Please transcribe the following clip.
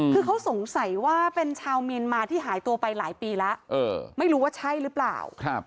คือเขาสงสัยว่าเป็นชาวเมียนมาที่หายตัวไปหลายปีแล้วไม่รู้ว่าใช่หรือเปล่า